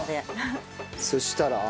そしたら。